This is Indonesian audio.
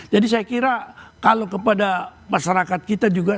jadi saya kira kalau kepada masyarakat kita juga